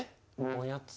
おやつ。